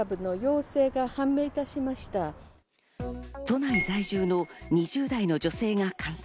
都内在住の２０代の女性が感染。